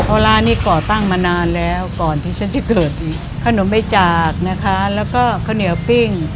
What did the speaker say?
เพราะร้านนี้ก่อตั้งมานานแล้วก่อนที่ฉันจะเกิดขนมใบจากนะคะแล้วก็ข้าวเหนียวปิ้ง